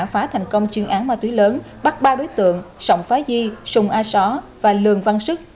phá thành công chuyên án ma túy lớn bắt ba đối tượng sòng phá di sùng a só và lường văn sức